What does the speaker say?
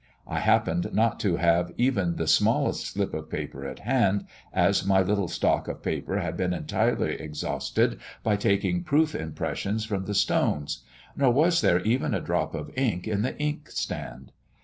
I happened not to have even the smallest slip of paper at hand, as my little stock of paper had been entirely exhausted by taking proof impressions from the stones; nor was there even a drop of ink in the ink stand.